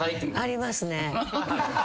ありますね。